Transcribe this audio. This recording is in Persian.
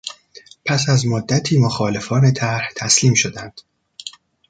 پس از مدتی مخالفان طرح تسلیم شدند.